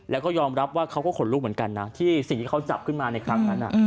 แล้วก็ยอมรับว่าเขาก็ขนลุกเหมือนกันนะที่สิ่งที่เขาจับขึ้นมาในครั้งนั้น